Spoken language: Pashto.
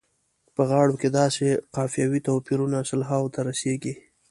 په غاړو کې داسې قافیوي توپیرونه سلهاوو ته رسیږي.